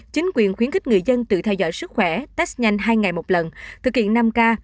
chính quyền khuyến khích người dân tự theo dõi sức khỏe test nhanh hai ngày một lần thực hiện năm k